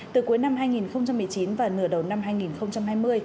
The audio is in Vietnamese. từ cuối năm hai nghìn một mươi chín và nửa đầu năm hai nghìn hai mươi